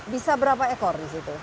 bisa berapa ekor di situ